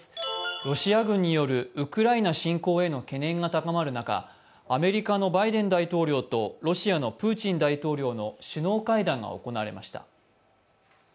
ロシア軍によるウクライナ侵攻への懸念が高まる中、アプタカのバイデン大統領とロシアのプーチン大統領の首脳会談が行われました。